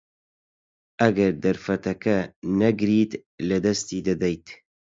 ئەگەر دەرفەتەکە نەگریت، لەدەستی دەدەیت.